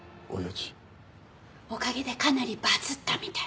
おかげでかなりバズったみたい。